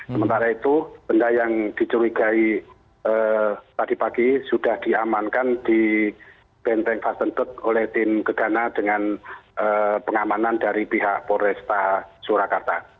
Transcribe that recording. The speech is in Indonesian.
sementara itu benda yang dicurigai tadi pagi sudah diamankan di benteng fasentut oleh tim gegana dengan pengamanan dari pihak polresta surakarta